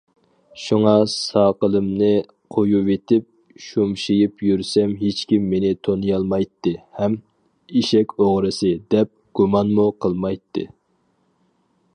شۇڭا ساقىلىمنى قويۇۋېتىپ، شۈمشىيىپ يۈرسەم ھېچكىم مېنى تونۇيالمايتتى ھەم‹‹ ئېشەك ئوغرىسى›› دەپ گۇمانمۇ قىلمايتتى.